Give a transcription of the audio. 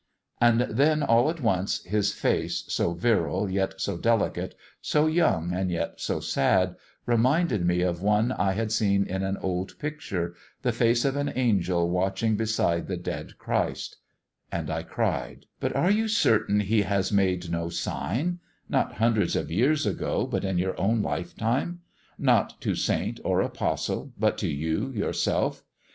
And then all at once, his face, so virile yet so delicate, so young and yet so sad, reminded me of one I had seen in an old picture the face of an angel watching beside the dead Christ; and I cried "But are you certain He has made no sign; not hundreds of years ago, but in your own lifetime? not to saint or apostle, but to you, yourself?